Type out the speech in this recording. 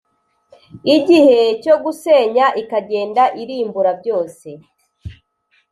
igihe cyo gusenya ikagenda irimbura byose,